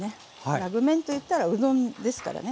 ラグメンといったらうどんですからね。